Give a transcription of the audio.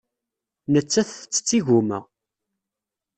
Nettat tettett igumma.